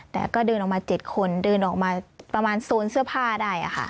แต่ก็เดินออกมา๗คนเดินออกมาประมาณโซนเสื้อผ้าได้ค่ะ